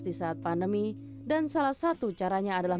di saat pandemi dan salah satu caranya adalah